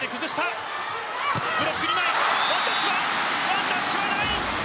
ワンタッチはない。